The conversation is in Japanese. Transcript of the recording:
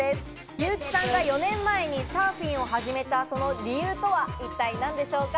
優木さんが４年前にサーフィンを始めたその理由とは一体何でしょうか？